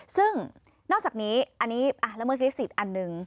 ซึ่งนอกจากนี้อันนี้ละเมิดลิขสิทธิ์อันหนึ่ง